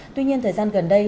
tuy nhiên thời gian gần đây